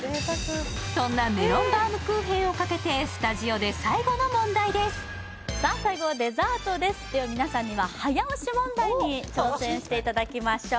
そんなメロンバウムクーヘンをかけてスタジオで最後の問題ですさあ最後はデザートですでは皆さんには早押し問題に挑戦していただきましょう